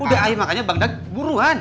udah ayo makannya bang dag buruhan